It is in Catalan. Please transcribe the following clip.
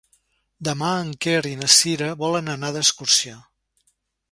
Demà en Quer i na Cira volen anar d'excursió.